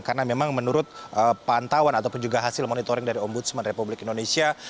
karena memang menurut pantauan ataupun juga hasil monitoring dari ombudsman republik indonesia